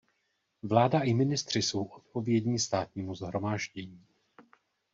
Vláda i ministři jsou odpovědní Státnímu shromáždění.